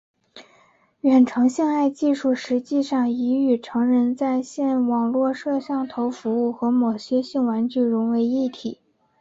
远程性爱技术事实上已与成人在线网络摄像头服务和某些性玩具融为一体。